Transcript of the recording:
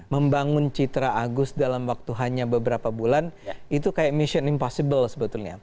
membangun citra agus dalam waktu hanya beberapa bulan itu kayak mission impossible sebetulnya